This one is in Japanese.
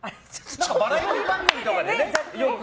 バラエティー番組とかでよく。